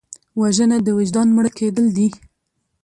وژنه د وجدان مړه کېدل دي